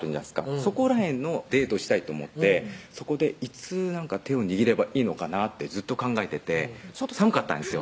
そこら辺のデートをしたいと思ってそこでいつ手を握ればいいのかなってずっと考えててちょっと寒かったんですよ